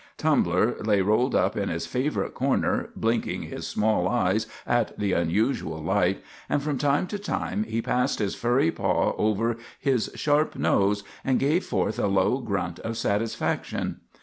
Tumbler lay rolled up in his favorite corner, blinking his small eyes at the unusual light, and from time to time he passed his furry paw over his sharp nose and gave forth a low grunt of satisfaction.